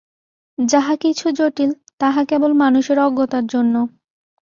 যাহা কিছু জটিল, তাহা কেবল মানুষের অজ্ঞতার জন্য।